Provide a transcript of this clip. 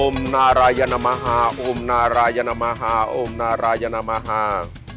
นารายนมหาอมนารายนมาฮาอมนารายนมาฮา